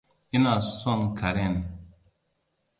Ina son Karen.